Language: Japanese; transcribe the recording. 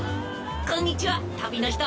こんにちは旅の人。